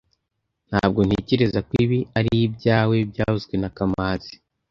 Ntabwo ntekereza ko ibi ari ibyawe byavuzwe na kamanzi